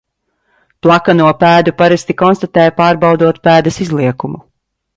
Plakano pēdu parasti konstatē pārbaudot pēdas izliekumu.